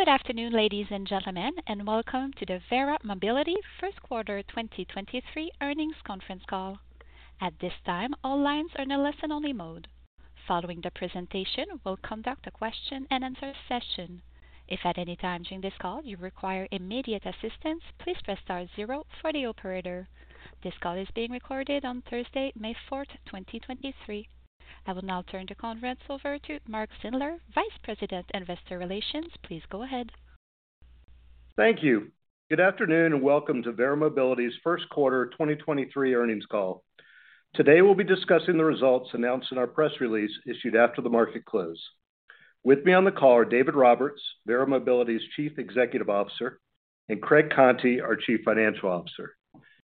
Good afternoon, ladies and gentlemen, welcome to the Verra Mobility First Quarter 2023 Earnings Conference Call. At this time, all lines are in a listen-only mode. Following the presentation, we'll conduct a question-and-answer session. If at any time during this call you require immediate assistance, please press star zero for the operator. This call is being recorded on Thursday, May fourth, 2023. I will now turn the conference over to Mark Zindler, Vice President, Investor Relations. Please go ahead. Thank you. Welcome to Verra Mobility's first quarter 2023 earnings call. Today, we'll be discussing the results announced in our press release issued after the market close. With me on the call are David Roberts, Verra Mobility's Chief Executive Officer, and Craig Conti, our Chief Financial Officer.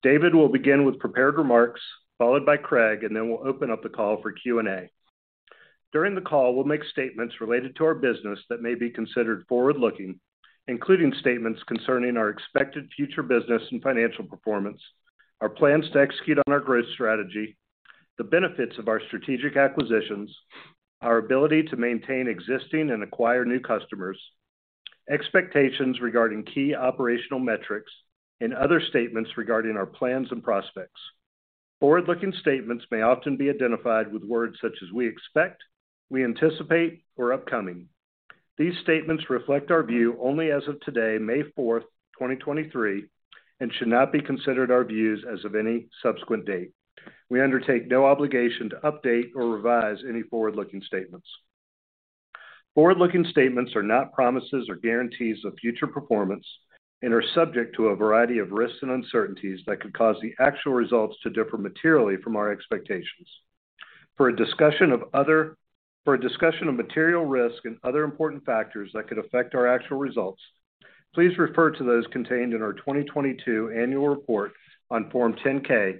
David will begin with prepared remarks, followed by Craig. Then we'll open up the call for Q&A. During the call, we'll make statements related to our business that may be considered forward-looking, including statements concerning our expected future business and financial performance, our plans to execute on our growth strategy, the benefits of our strategic acquisitions, our ability to maintain existing and acquire new customers, expectations regarding key operational metrics, other statements regarding our plans and prospects. Forward-looking statements may often be identified with words such as "we expect," "we anticipate," or "upcoming." These statements reflect our view only as of today, May 4th, 2023, and should not be considered our views as of any subsequent date. We undertake no obligation to update or revise any forward-looking statements. Forward-looking statements are not promises or guarantees of future performance and are subject to a variety of risks and uncertainties that could cause the actual results to differ materially from our expectations. For a discussion of material risk and other important factors that could affect our actual results, please refer to those contained in our 2022 annual report on Form 10-K,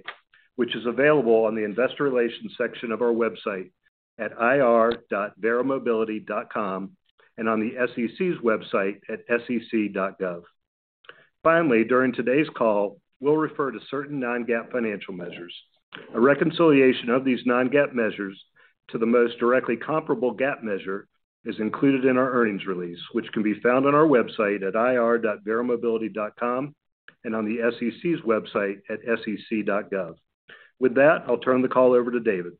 which is available on the investor relations section of our website at ir.veramobility.com and on the SEC's website at sec.gov. Finally, during today's call, we'll refer to certain non-GAAP financial measures. A reconciliation of these non-GAAP measures to the most directly comparable GAAP measure is included in our earnings release, which can be found on our website at ir.veramobility.com and on the SEC's website at sec.gov. With that, I'll turn the call over to David.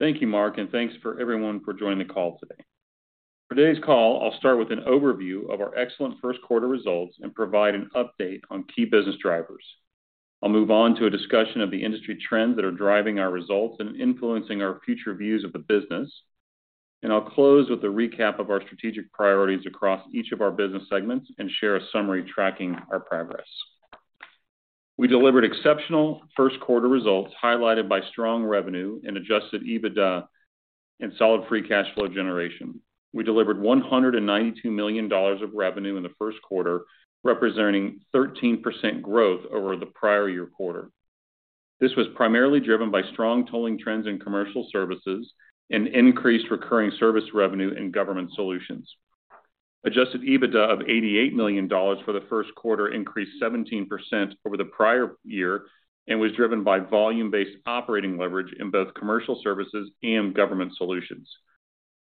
Thank you, Mark. Thanks for everyone for joining the call today. Today's call, I'll start with an overview of our excellent first quarter results and provide an update on key business drivers. I'll move on to a discussion of the industry trends that are driving our results and influencing our future views of the business. I'll close with a recap of our strategic priorities across each of our business segments and share a summary tracking our progress. We delivered exceptional first quarter results, highlighted by strong revenue and Adjusted EBITDA and solid free cash flow generation. We delivered $192 million of revenue in the first quarter, representing 13% growth over the prior year quarter. This was primarily driven by strong tolling trends in Commercial Services and increased recurring service revenue in Government Solutions. Adjusted EBITDA of $88 million for the first quarter increased 17% over the prior year and was driven by volume-based operating leverage in both Commercial Services and Government Solutions.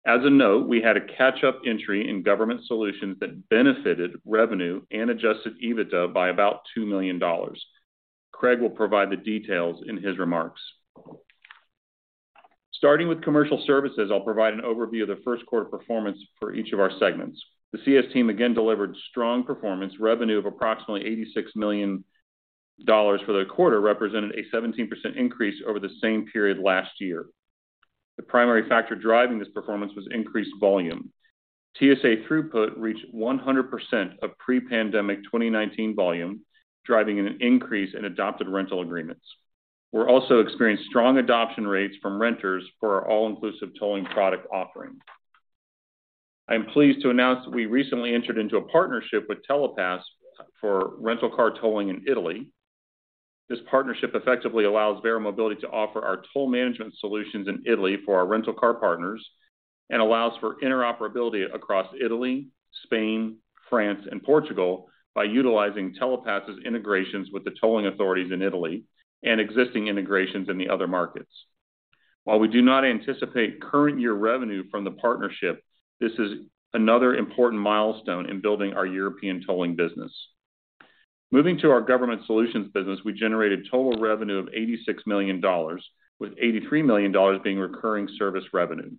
As a note, we had a catch-up entry in Government Solutions that benefited revenue and Adjusted EBITDA by about $2 million. Craig will provide the details in his remarks. Starting with Commercial Services, I'll provide an overview of the first quarter performance for each of our segments. The CS team again delivered strong performance. Revenue of approximately $86 million for the quarter represented a 17% increase over the same period last year. The primary factor driving this performance was increased volume. TSA throughput reached 100% of pre-pandemic 2019 volume, driving an increase in adopted rental agreements. We're also experienced strong adoption rates from renters for our all-inclusive tolling product offering. I am pleased to announce that we recently entered into a partnership with Telepass for rental car tolling in Italy. This partnership effectively allows Verra Mobility to offer our toll management solutions in Italy for our rental car partners and allows for interoperability across Italy, Spain, France, and Portugal by utilizing Telepass's integrations with the tolling authorities in Italy and existing integrations in the other markets. While we do not anticipate current year revenue from the partnership, this is another important milestone in building our European tolling business. Moving to our Government Solutions business, we generated total revenue of $86 million, with $83 million being recurring service revenue.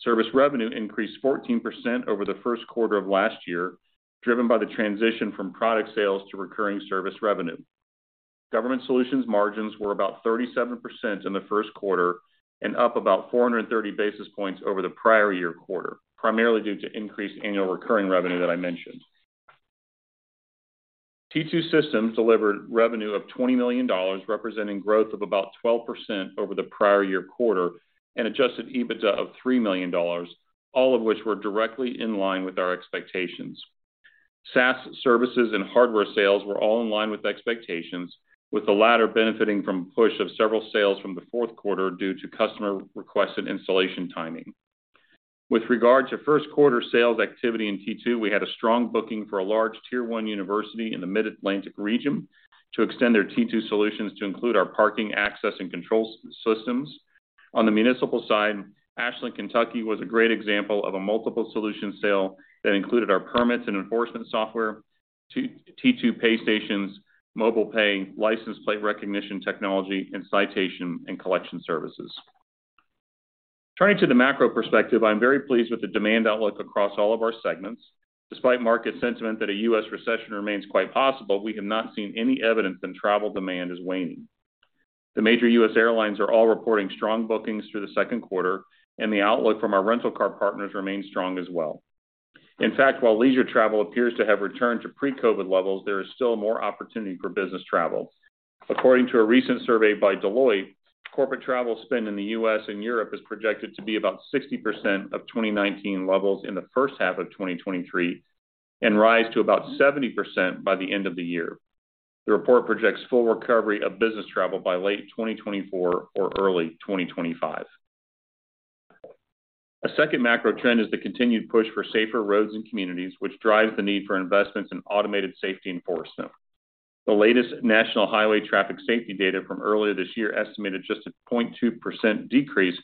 Service revenue increased 14% over the first quarter of last year, driven by the transition from product sales to recurring service revenue. Government Solutions margins were about 37% in the first quarter and up about 430 basis points over the prior year quarter, primarily due to increased annual recurring revenue that I mentioned. T2 Systems delivered revenue of $20 million, representing growth of about 12% over the prior year quarter and Adjusted EBITDA of $3 million, all of which were directly in line with our expectations. SaaS services and hardware sales were all in line with expectations, with the latter benefiting from push of several sales from the fourth quarter due to customer requests and installation timing. With regard to first quarter sales activity in T2, we had a strong booking for a large tier one university in the Mid-Atlantic region to extend their T2 solutions to include our parking access and control systems. On the municipal side, Ashland, Kentucky, was a great example of a multiple solution sale that included our permits and enforcement software, T2 pay stations, mobile pay, license plate recognition technology, and citation and collection services. Turning to the macro perspective, I'm very pleased with the demand outlook across all of our segments. Despite market sentiment that a U.S. recession remains quite possible, we have not seen any evidence that travel demand is waning. The major U.S. airlines are all reporting strong bookings through the second quarter, and the outlook from our rental car partners remains strong as well. In fact, while leisure travel appears to have returned to pre-COVID levels, there is still more opportunity for business travel. According to a recent survey by Deloitte, corporate travel spend in the U.S. and Europe is projected to be about 60% of 2019 levels in the first half of 2023 and rise to about 70% by the end of the year. The report projects full recovery of business travel by late 2024 or early 2025. A second macro trend is the continued push for safer roads and communities, which drives the need for investments in automated safety enforcement. The latest National Highway Traffic Safety data from earlier this year estimated just a 0.2% decrease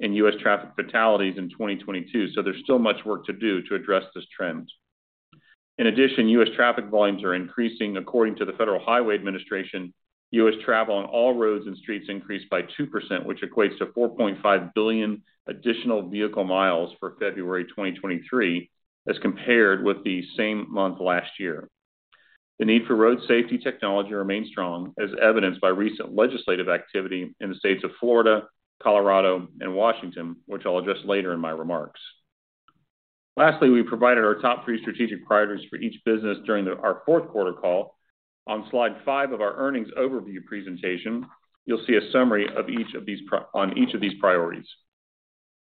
in U.S. traffic fatalities in 2022. There's still much work to do to address this trend. In addition, U.S. traffic volumes are increasing. According to the Federal Highway Administration, U.S. travel on all roads and streets increased by 2%, which equates to 4.5 billion additional vehicle miles for February 2023 as compared with the same month last year. The need for road safety technology remains strong, as evidenced by recent legislative activity in the states of Florida, Colorado, and Washington, which I'll address later in my remarks. Lastly, we provided our top 3 strategic priorities for each business during our fourth quarter call. On slide 5 of our earnings overview presentation, you'll see a summary of each of these priorities.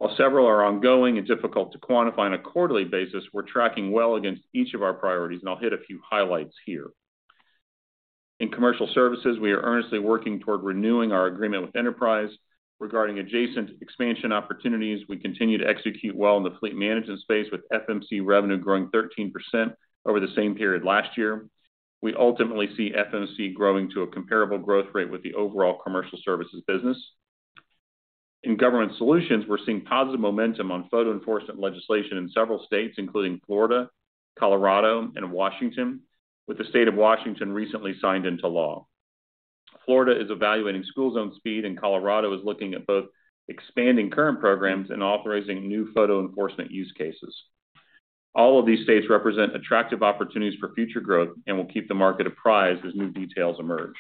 While several are ongoing and difficult to quantify on a quarterly basis, we're tracking well against each of our priorities, and I'll hit a few highlights here. In Commercial Services, we are earnestly working toward renewing our agreement with Enterprise. Regarding adjacent expansion opportunities, we continue to execute well in the fleet management space with FMC revenue growing 13% over the same period last year. We ultimately see FMC growing to a comparable growth rate with the overall Commercial Services business. In Government Solutions, we're seeing positive momentum on photo enforcement legislation in several states, including Florida, Colorado, and Washington, with the state of Washington recently signed into law. Florida is evaluating school zone speed, and Colorado is looking at both expanding current programs and authorizing new photo enforcement use cases. All of these states represent attractive opportunities for future growth and will keep the market apprised as new details emerge.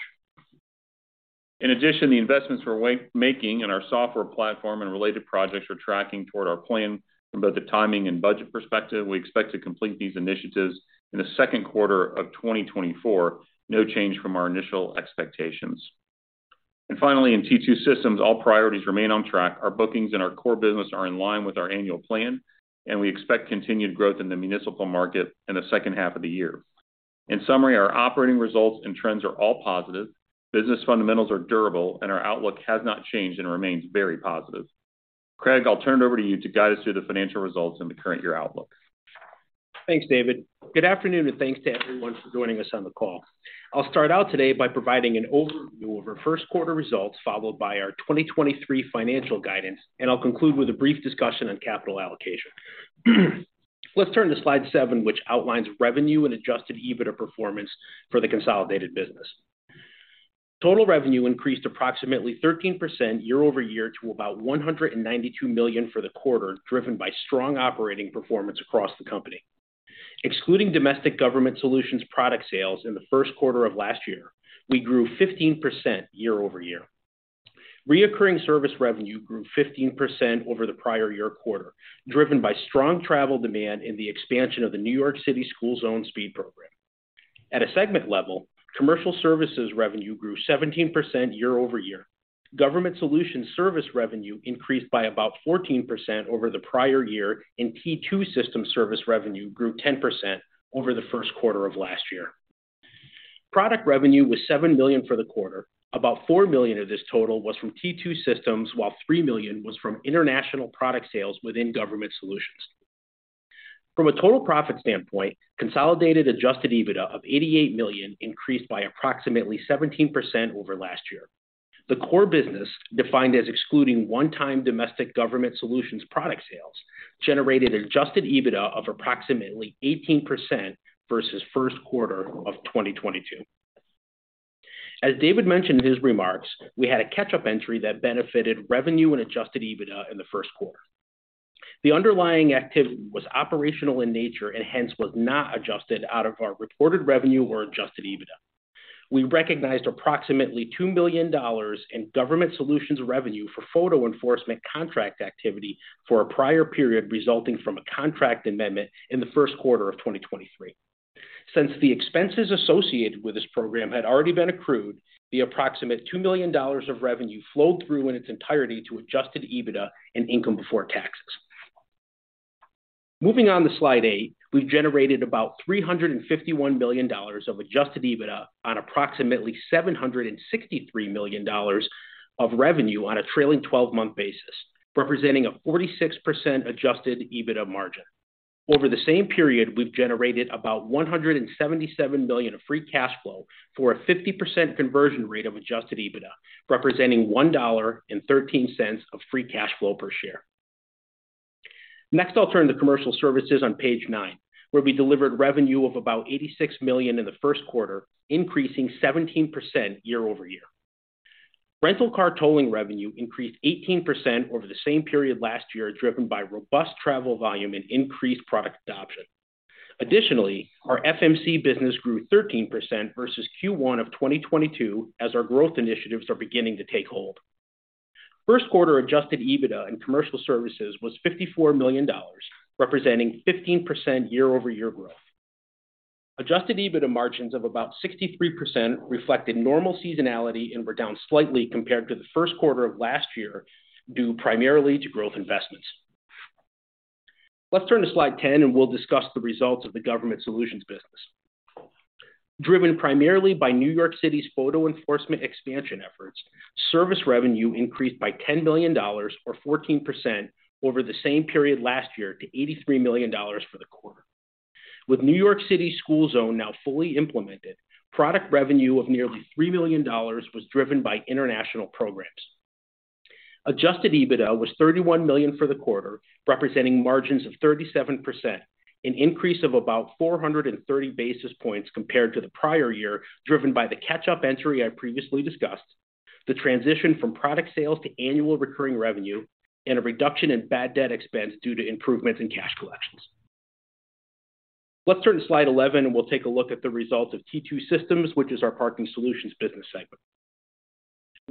In addition, the investments we're making in our software platform and related projects are tracking toward our plan from both the timing and budget perspective. We expect to complete these initiatives in the second quarter of 2024. No change from our initial expectations. Finally, in T2 Systems, all priorities remain on track. Our bookings and our core business are in line with our annual plan, and we expect continued growth in the municipal market in the second half of the year. In summary, our operating results and trends are all positive, business fundamentals are durable, and our outlook has not changed and remains very positive. Craig, I'll turn it over to you to guide us through the financial results and the current year outlook. Thanks, David. Good afternoon, and thanks to everyone for joining us on the call. I'll start out today by providing an overview of our first quarter results, followed by our 2023 financial guidance. I'll conclude with a brief discussion on capital allocation. Let's turn to slide 7, which outlines revenue and Adjusted EBITDA performance for the consolidated business. Total revenue increased approximately 13% year-over-year to about $192 million for the quarter, driven by strong operating performance across the company. Excluding domestic Government Solutions product sales in the first quarter of last year, we grew 15% year-over-year. Reoccurring service revenue grew 15% over the prior year quarter, driven by strong travel demand in the expansion of the New York City school zone speed program. At a segment level, Commercial Services revenue grew 17% year-over-year. Government Solutions service revenue increased by about 14% over the prior year, and T2 Systems service revenue grew 10% over the first quarter of last year. Product revenue was $7 million for the quarter. About $4 million of this total was from T2 Systems, while $3 million was from international product sales within Government Solutions. From a total profit standpoint, consolidated Adjusted EBITDA of $88 million increased by approximately 17% over last year. The core business, defined as excluding one-time domestic Government Solutions product sales, generated Adjusted EBITDA of approximately 18% versus first quarter of 2022. As David mentioned in his remarks, we had a catch-up entry that benefited revenue and Adjusted EBITDA in the first quarter. The underlying activity was operational in nature and hence was not adjusted out of our reported revenue or Adjusted EBITDA. We recognized approximately $2 million in Government Solutions revenue for photo enforcement contract activity for a prior period resulting from a contract amendment in the first quarter of 2023. Since the expenses associated with this program had already been accrued, the approximate $2 million of revenue flowed through in its entirety to Adjusted EBITDA and income before taxes. Moving on to slide 8, we've generated about $351 million of Adjusted EBITDA on approximately $763 million of revenue on a trailing twelve-month basis, representing a 46% Adjusted EBITDA margin. Over the same period, we've generated about $177 million of free cash flow for a 50% conversion rate of Adjusted EBITDA, representing $1.13 of free cash flow per share. I'll turn to Commercial Services on page 9, where we delivered revenue of about $86 million in the first quarter, increasing 17% year-over-year. Rental car tolling revenue increased 18% over the same period last year, driven by robust travel volume and increased product adoption. Our FMC business grew 13% versus Q1 of 2022 as our growth initiatives are beginning to take hold. First quarter Adjusted EBITDA in Commercial Services was $54 million, representing 15% year-over-year growth. Adjusted EBITDA margins of about 63% reflected normal seasonality and were down slightly compared to the first quarter of last year, due primarily to growth investments. Let's turn to slide 10 and we'll discuss the results of the Government Solutions business. Driven primarily by New York City's photo enforcement expansion efforts, service revenue increased by $10 million or 14% over the same period last year to $83 million for the quarter. With New York City school zone now fully implemented, product revenue of nearly $3 million was driven by international programs. Adjusted EBITDA was $31 million for the quarter, representing margins of 37%, an increase of about 430 basis points compared to the prior year, driven by the catch-up entry I previously discussed, the transition from product sales to annual recurring revenue, and a reduction in bad debt expense due to improvements in cash collections. Let's turn to slide 11 and we'll take a look at the results of T2 Systems, which is our parking solutions business segment.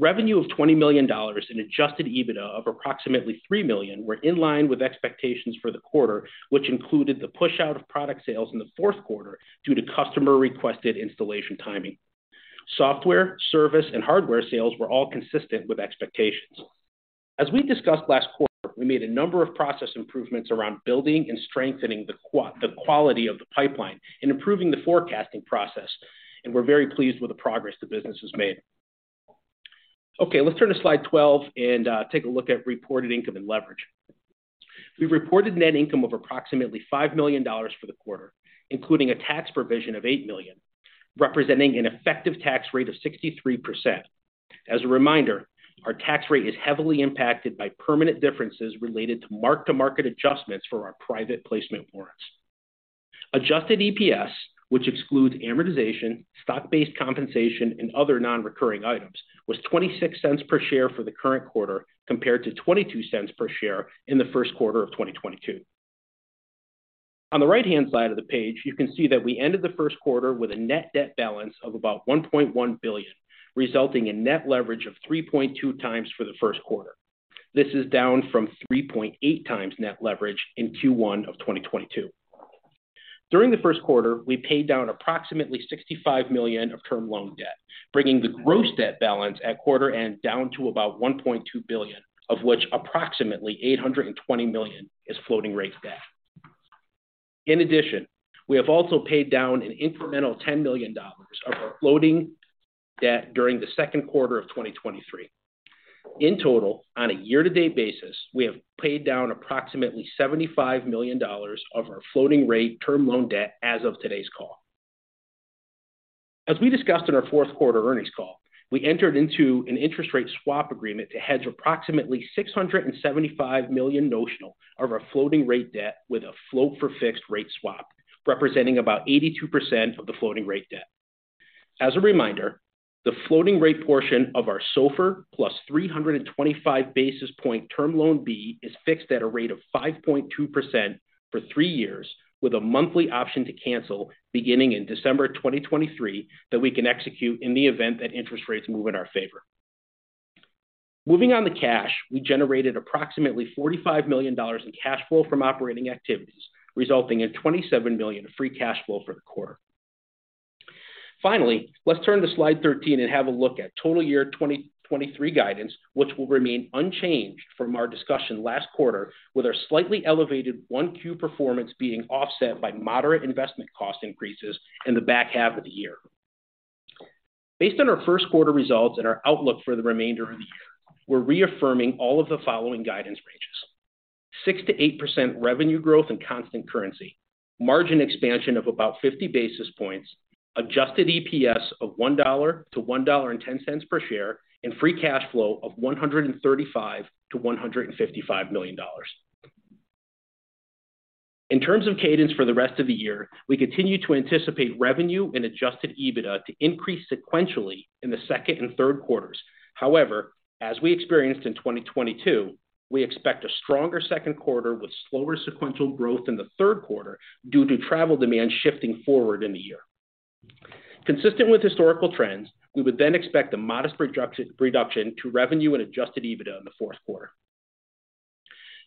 Revenue of $20 million and Adjusted EBITDA of approximately $3 million were in line with expectations for the quarter, which included the push out of product sales in the fourth quarter due to customer-requested installation timing. Software, service, and hardware sales were all consistent with expectations. As we discussed last quarter, we made a number of process improvements around building and strengthening the quality of the pipeline and improving the forecasting process, and we're very pleased with the progress the business has made. Let's turn to slide 12 and take a look at reported income and leverage. We reported net income of approximately $5 million for the quarter, including a tax provision of $8 million, representing an effective tax rate of 63%. As a reminder, our tax rate is heavily impacted by permanent differences related to mark-to-market adjustments for our private placement warrants. Adjusted EPS, which excludes amortization, stock-based compensation, and other non-recurring items, was $0.26 per share for the current quarter, compared to $0.22 per share in the 1st quarter of 2022. On the right-hand side of the page, you can see that we ended the 1st quarter with a net debt balance of about $1.1 billion, resulting in net leverage of 3.2 times for the 1st quarter. This is down from 3.8 times net leverage in Q1 of 2022. During the 1st quarter, we paid down approximately $65 million of term loan debt, bringing the gross debt balance at quarter end down to about $1.2 billion, of which approximately $820 million is floating rate debt. We have also paid down an incremental $10 million of our floating debt during the 2Q of 2023. On a year-to-date basis, we have paid down approximately $75 million of our floating rate term loan debt as of today's call. As we discussed in our 4Q earnings call, we entered into an interest rate swap agreement to hedge approximately 675 million notional of our floating rate debt with a float for fixed rate swap, representing about 82% of the floating rate debt. As a reminder, the floating rate portion of our SOFR plus 325 basis point Term Loan B is fixed at a rate of 5.2% for 3 years with a monthly option to cancel beginning in December 2023 that we can execute in the event that interest rates move in our favor. Moving on to cash, we generated approximately $45 million in cash flow from operating activities, resulting in $27 million of free cash flow for the quarter. Finally, let's turn to slide 13 and have a look at total year 2023 guidance, which will remain unchanged from our discussion last quarter with our slightly elevated 1Q performance being offset by moderate investment cost increases in the back half of the year. Based on our first quarter results and our outlook for the remainder of the year, we're reaffirming all of the following guidance ranges. 6%-8% revenue growth and constant currency, margin expansion of about 50 basis points, Adjusted EPS of $1.00-$1.10 per share, and free cash flow of $135 million-$155 million. In terms of cadence for the rest of the year, we continue to anticipate revenue and Adjusted EBITDA to increase sequentially in the second and third quarters. As we experienced in 2022, we expect a stronger second quarter with slower sequential growth in the third quarter due to travel demand shifting forward in the year. Consistent with historical trends, we would expect a modest reduction to revenue and Adjusted EBITDA in the fourth quarter.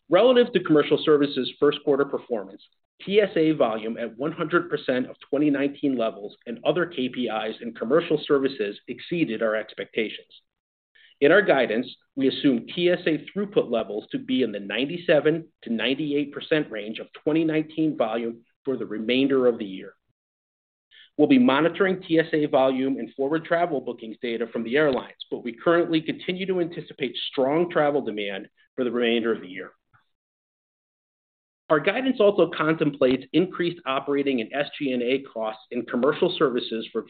Relative to Commercial Services first quarter performance, TSA volume at 100% of 2019 levels and other KPIs and Commercial Services exceeded our expectations. In our guidance, we assume TSA throughput levels to be in the 97%-98% range of 2019 volume for the remainder of the year. We'll be monitoring TSA volume and forward travel bookings data from the airlines. We currently continue to anticipate strong travel demand for the remainder of the year. Our guidance also contemplates increased operating and SG&A costs in Commercial Services for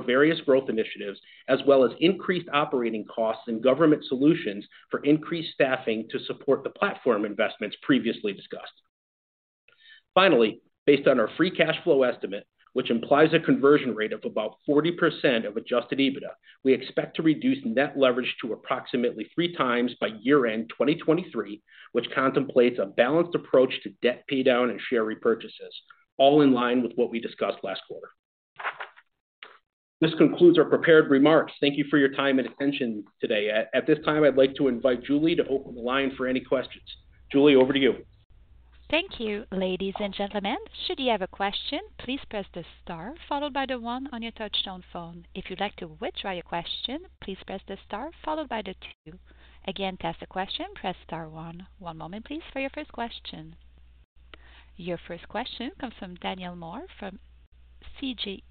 various growth initiatives, as well as increased operating costs and Government Solutions for increased staffing to support the platform investments previously discussed. Based on our free cash flow estimate, which implies a conversion rate of about 40% of Adjusted EBITDA, we expect to reduce net leverage to approximately 3 times by year-end 2023, which contemplates a balanced approach to debt paydown and share repurchases, all in line with what we discussed last quarter. This concludes our prepared remarks. Thank you for your time and attention today. At this time, I'd like to invite Julie to open the line for any questions. Julie, over to you. Thank you. Ladies and gentlemen, should you have a question, please press the star followed by the one on your touchtone phone. If you'd like to withdraw your question, please press the star followed by the two. Again, to ask a question, press star one. One moment please for your first question. Your first question comes from Daniel Moore from CJS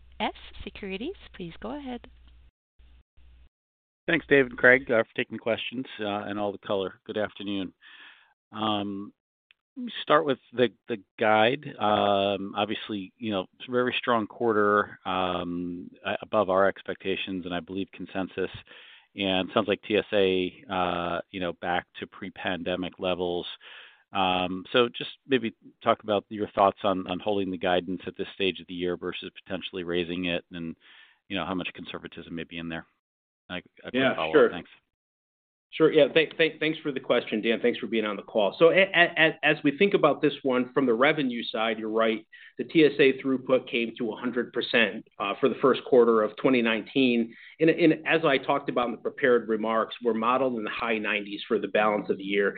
Securities. Please go ahead. Thanks, Dave and Craig, for taking questions and all the color. Good afternoon. Start with the guide. Obviously, you know, it's a very strong quarter, above our expectations and I believe consensus. Sounds like TSA, you know, back to pre-pandemic levels. So just maybe talk about your thoughts on holding the guidance at this stage of the year versus potentially raising it and, you know, how much conservatism may be in there. Yeah, sure. Thanks. Sure. Yeah, thanks for the question, Dan. Thanks for being on the call. As we think about this one from the revenue side, you're right. The TSA throughput came to 100%, for the first quarter of 2019. As I talked about in the prepared remarks, we're modeled in the high 90s for the balance of the year.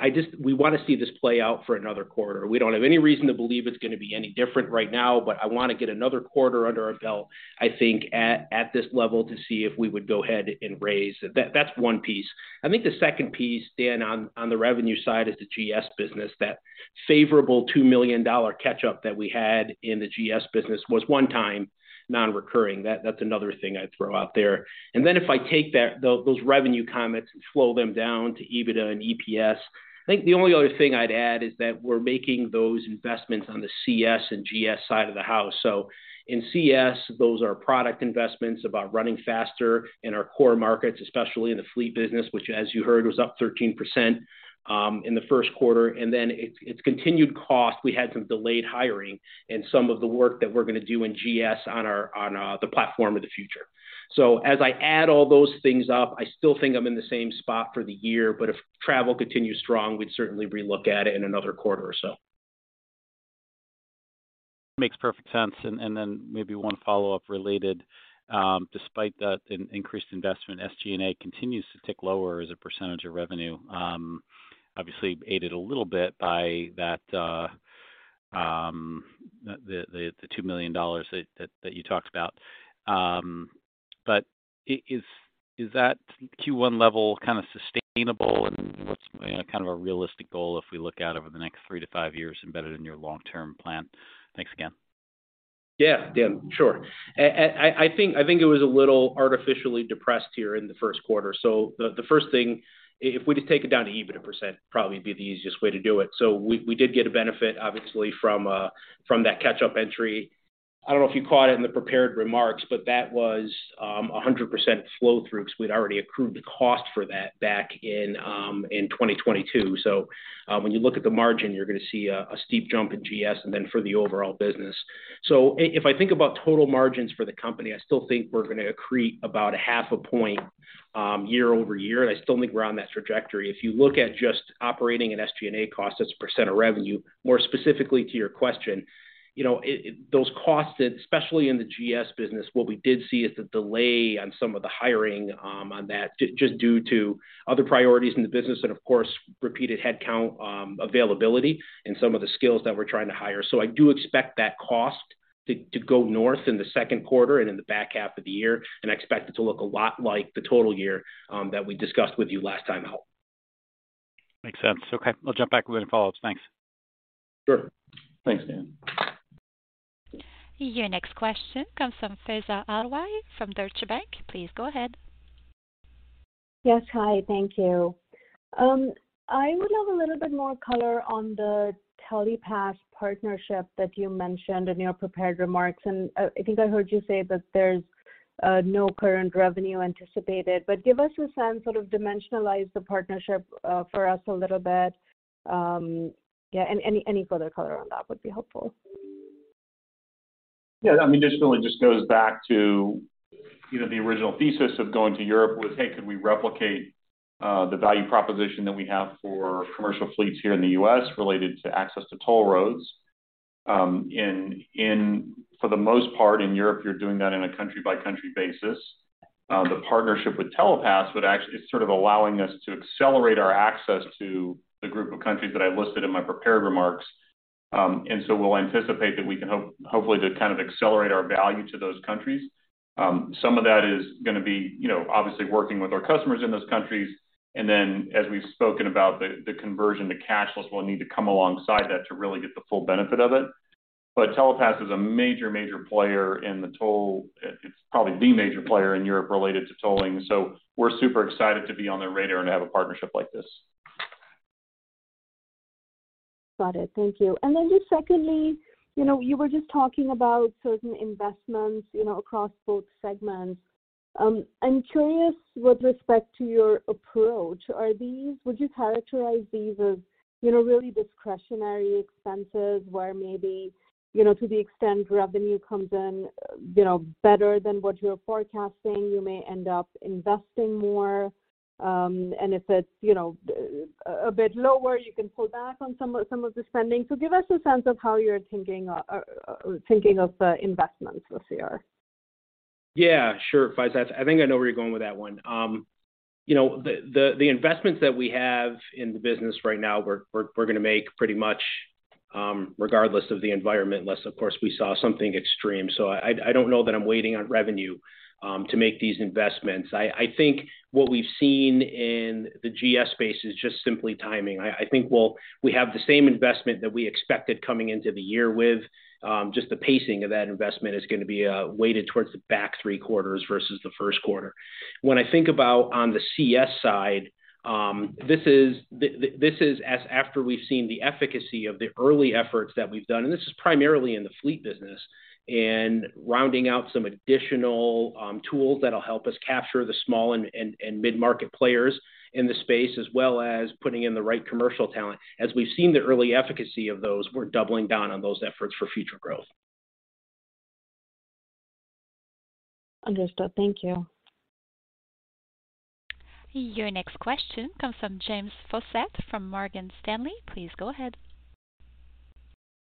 I just we wanna see this play out for another quarter. We don't have any reason to believe it's gonna be any different right now, but I wanna get another quarter under our belt, I think at this level, to see if we would go ahead and raise. That's one piece. I think the second piece, Dan, on the revenue side is the GS business. That favorable $2 million catch-up that we had in the GS business was one-time non-recurring. That's another thing I'd throw out there. If I take those revenue comments and flow them down to EBITDA and EPS, I think the only other thing I'd add is that we're making those investments on the CS and GS side of the house. In CS, those are product investments about running faster in our core markets, especially in the fleet business, which as you heard, was up 13% in the first quarter. It's continued cost. We had some delayed hiring and some of the work that we're gonna do in GS on the platform of the future. As I add all those things up, I still think I'm in the same spot for the year, but if travel continues strong, we'd certainly relook at it in another quarter or so. Makes perfect sense. Then maybe one follow-up related. Despite that increased investment, SG&A continues to tick lower as a percentage of revenue, obviously aided a little bit by the $2 million that you talked about. Is that Q1 level kinda sustainable and what's, you know, kind of a realistic goal if we look out over the next 3 to 5 years embedded in your long-term plan? Thanks again. Yeah. Yeah, sure. I think it was a little artificially depressed here in the first quarter. The first thing, if we just take it down to EBITDA %, probably be the easiest way to do it. We did get a benefit obviously from that catch-up entry. I don't know if you caught it in the prepared remarks, but that was 100% flow through 'cause we'd already accrued the cost for that back in 2022. When you look at the margin, you're gonna see a steep jump in GS and then for the overall business. If I think about total margins for the company, I still think we're gonna accrete about a half a point year-over-year, and I still think we're on that trajectory. If you look at just operating and SG&A costs as a % of revenue, more specifically to your question, you know, those costs, especially in the GS business, what we did see is a delay on some of the hiring, on that just due to other priorities in the business and of course, repeated headcount availability and some of the skills that we're trying to hire. So I do expect that cost to go north in the second quarter and in the back half of the year, and I expect it to look a lot like the total year that we discussed with you last time out. Makes sense. Okay. I'll jump back with any follow-ups. Thanks. Sure. Thanks, Dan. Your next question comes from Faiza Alwy from Deutsche Bank. Please go ahead. Yes. Hi, thank you. I would love a little bit more color on the Telepass partnership that you mentioned in your prepared remarks. I think I heard you say that there's no current revenue anticipated, but give us a sense, sort of dimensionalize the partnership for us a little bit. Yeah, any, any further color on that would be helpful. Yeah, I mean, this really just goes back to, you know, the original thesis of going to Europe was, hey, could we replicate the value proposition that we have for commercial fleets here in the U.S. related to access to toll roads? In for the most part, in Europe, you're doing that in a country-by-country basis. The partnership with Telepass it's sort of allowing us to accelerate our access to the group of countries that I listed in my prepared remarks. We'll anticipate that we can hopefully to kind of accelerate our value to those countries. Some of that is gonna be, you know, obviously working with our customers in those countries. As we've spoken about the conversion to cashless will need to come alongside that to really get the full benefit of it. Telepass is a major player in the toll. It's probably the major player in Europe related to tolling. We're super excited to be on their radar and have a partnership like this. Got it. Thank you. Just secondly, you know, you were just talking about certain investments, you know, across both segments. I'm curious with respect to your approach, would you characterize these as, you know, really discretionary expenses where maybe, you know, to the extent revenue comes in, you know, better than what you're forecasting, you may end up investing more? And if it's, you know, a bit lower, you can pull back on some of the spending. Give us a sense of how you're thinking of the investments this year. Yeah, sure, Faiza. I think I know where you're going with that one. You know, the investments that we have in the business right now, we're gonna make pretty much, regardless of the environment, unless, of course, we saw something extreme. I don't know that I'm waiting on revenue to make these investments. I think what we've seen in the GS space is just simply timing. I think we have the same investment that we expected coming into the year with, just the pacing of that investment is gonna be weighted towards the back three quarters versus the first quarter. When I think about on the CS side, this is as after we've seen the efficacy of the early efforts that we've done, and this is primarily in the fleet business, and rounding out some additional tools that'll help us capture the small and mid-market players in the space, as well as putting in the right commercial talent. As we've seen the early efficacy of those, we're doubling down on those efforts for future growth. Understood. Thank you. Your next question comes from James Faucette from Morgan Stanley. Please go ahead.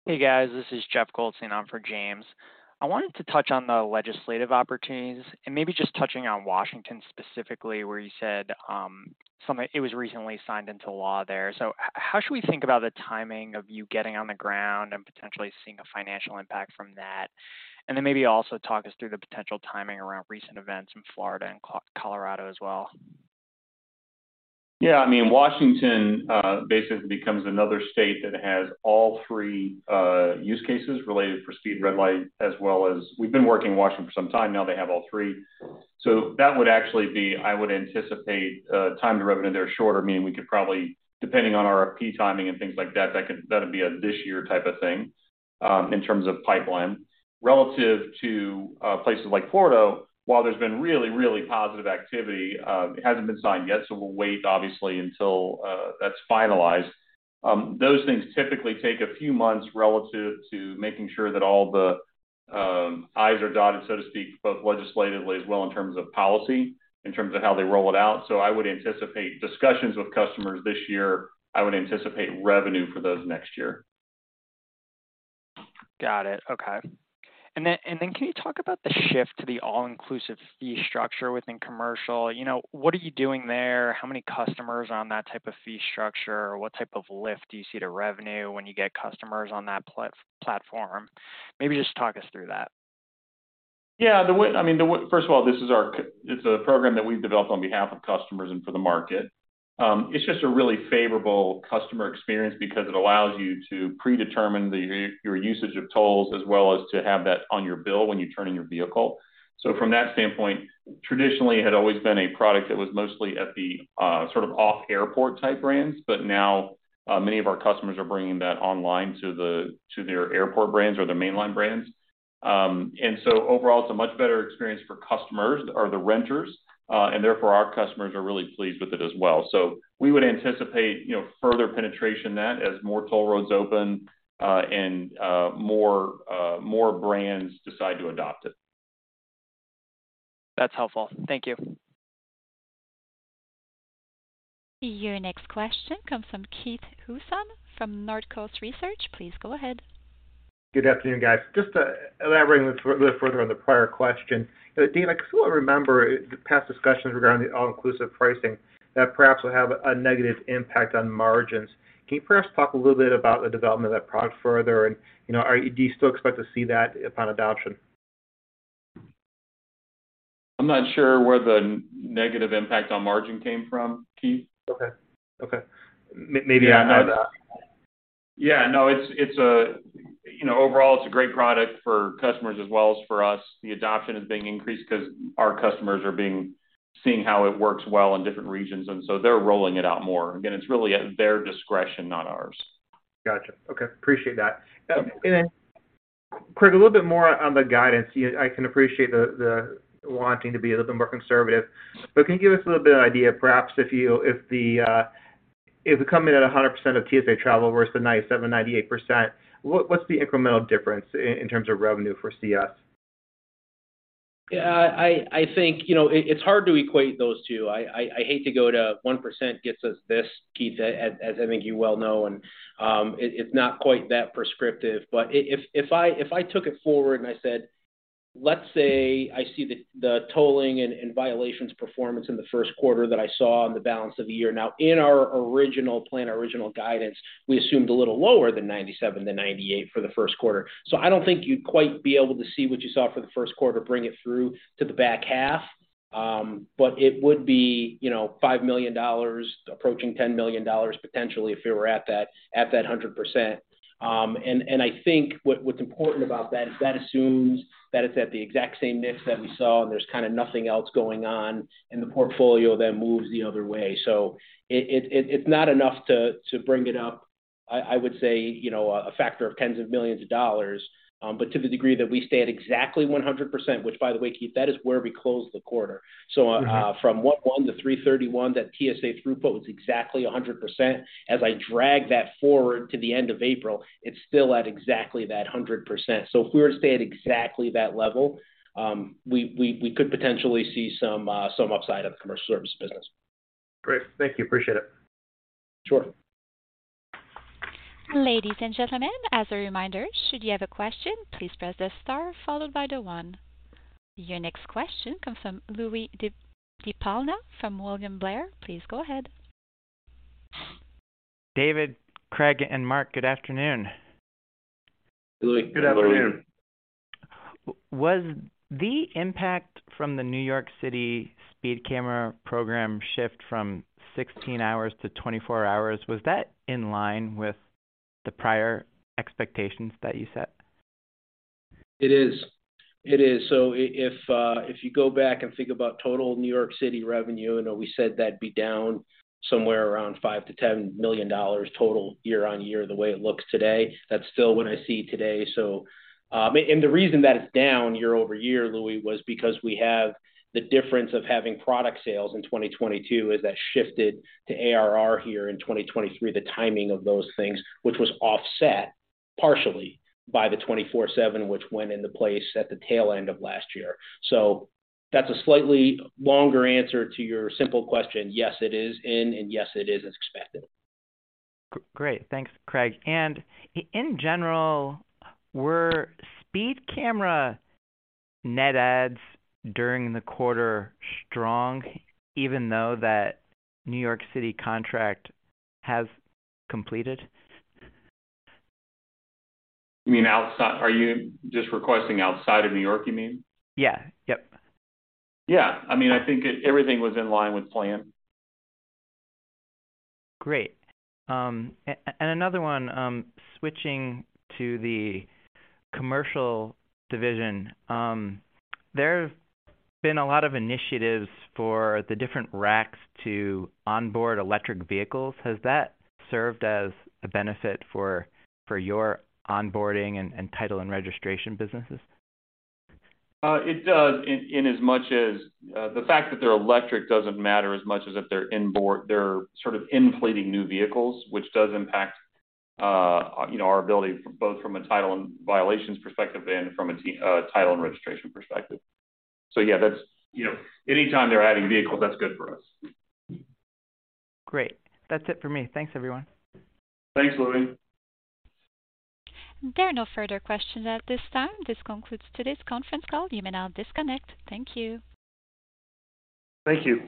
Hey, guys. This is Jeffrey Goldstein in for James. I wanted to touch on the legislative opportunities and maybe just touching on Washington specifically, where you said, it was recently signed into law there. How should we think about the timing of you getting on the ground and potentially seeing a financial impact from that? Maybe also talk us through the potential timing around recent events in Florida and Colorado as well. Yeah, I mean, Washington basically becomes another state that has all three use cases related for speed, red light, as well as... We've been working in Washington for some time now. They have all three. That would actually be, I would anticipate, time to revenue, they're shorter, meaning we could probably, depending on RFP timing and things like that'd be a this year type of thing in terms of pipeline. Relative to places like Florida, while there's been really, really positive activity, it hasn't been signed yet, we'll wait obviously until that's finalized. Those things typically take a few months relative to making sure that all the I's are dotted, so to speak, both legislatively as well in terms of policy, in terms of how they roll it out. I would anticipate discussions with customers this year. I would anticipate revenue for those next year. Got it. Okay. Can you talk about the shift to the all-inclusive fee structure within commercial? You know, what are you doing there? How many customers are on that type of fee structure? What type of lift do you see to revenue when you get customers on that platform? Maybe just talk us through that. Yeah. I mean, the way First of all, this is our program that we've developed on behalf of customers and for the market. It's just a really favorable customer experience because it allows you to predetermine your usage of tolls, as well as to have that on your bill when you turn in your vehicle. From that standpoint, traditionally, it had always been a product that was mostly at the sort of off airport type brands. Now, many of our customers are bringing that online to their airport brands or their mainline brands. Overall, it's a much better experience for customers or the renters, and therefore our customers are really pleased with it as well. We would anticipate, you know, further penetration then as more toll roads open, and more brands decide to adopt it. That's helpful. Thank you. Your next question comes from Keith Housum from Northcoast Research. Please go ahead. Good afternoon, guys. Just elaborating a little further on the prior question. David, I kind of remember the past discussions regarding the All-inclusive pricing that perhaps will have a negative impact on margins. Can you perhaps talk a little bit about the development of that product further? You know, do you still expect to see that upon adoption? I'm not sure where the negative impact on margin came from, Keith. Okay. Okay. Maybe. Yeah, no, it's a. You know, overall, it's a great product for customers as well as for us. The adoption is being increased 'cause our customers are seeing how it works well in different regions, and so they're rolling it out more. Again, it's really at their discretion, not ours. Gotcha. Okay. Appreciate that. Then, Craig, a little bit more on the guidance. I can appreciate the wanting to be a little bit more conservative. Can you give us a little bit of idea, perhaps if the if we come in at 100% of TSA travel versus the 97%-98%, what's the incremental difference in terms of revenue for CS? Yeah. I think, you know, it's hard to equate those two. I hate to go to 1% gets us this, Keith, as I think you well know, it's not quite that prescriptive. If I took it forward and I said, let's say I see the tolling and violations performance in the first quarter that I saw on the balance of the year. In our original plan, our original guidance, we assumed a little lower than 97%-98% for the first quarter. I don't think you'd quite be able to see what you saw for the first quarter, bring it through to the back half. But it would be, you know, $5 million approaching $10 million potentially if it were at that, at that 100%. I think what's important about that is that assumes that it's at the exact same mix that we saw, and there's kind of nothing else going on, and the portfolio then moves the other way. It, it's not enough to bring it up. I would say, you know, a factor of tens of millions of dollars, but to the degree that we stay at exactly 100%, which by the way, Keith, that is where we closed the quarter. Mm-hmm. From 101 to 331, that TSA throughput was exactly 100%. As I drag that forward to the end of April, it's still at exactly that 100%. If we were to stay at exactly that level, we could potentially see some upside of the Commercial Services business. Great. Thank you. Appreciate it. Sure. Ladies and gentlemen, as a reminder, should you have a question, please press star followed by the one. Your next question comes from Louis DiPalma from William Blair. Please go ahead. David, Craig, and Mark, good afternoon. Louis. Good afternoon. Was the impact from the New York City speed camera program shift from 16 hours to 24 hours, was that in line with the prior expectations that you set? It is. It is. If you go back and think about total New York City revenue, I know we said that'd be down somewhere around $5 million-$10 million total year-over-year, the way it looks today. That's still what I see today. The reason that it's down year-over-year, Louis, was because we have the difference of having product sales in 2022, is that shifted to ARR here in 2023, the timing of those things, which was offset partially by the 24/7, which went into place at the tail end of last year. That's a slightly longer answer to your simple question. Yes, it is in, and yes, it is as expected. Great. Thanks, Craig. In general, were speed camera net adds during the quarter strong even though that New York City contract has completed? You mean Are you just requesting outside of New York, you mean? Yeah. Yep. Yeah. I mean, I think everything was in line with plan. Great. And another one, switching to the Commercial division. There's been a lot of initiatives for the different RACs to onboard electric vehicles. Has that served as a benefit for your onboarding and title and registration businesses? It does in as much as, the fact that they're electric doesn't matter as much as if they're onboard. They're sort of inflating new vehicles, which does impact, you know, our ability both from a title and violations perspective and from a title and registration perspective. Yeah, that's, you know, anytime they're adding vehicles, that's good for us. Great. That's it for me. Thanks, everyone. Thanks, Louis. There are no further questions at this time. This concludes today's conference call. You may now disconnect. Thank you. Thank you.